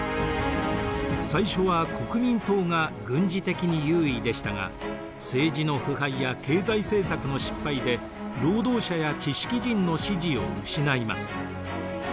最初は国民党が軍事的に優位でしたが政治の腐敗や経済政策の失敗で労働者や知識人の支持を失います。